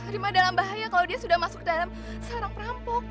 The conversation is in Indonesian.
rima dalam bahaya kalau dia sudah masuk dalam sarang perampok